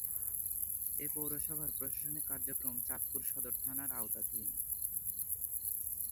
এ পৌরসভার প্রশাসনিক কার্যক্রম চাঁদপুর সদর থানার আওতাধীন।